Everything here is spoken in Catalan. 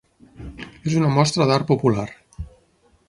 És una mostra d'art popular.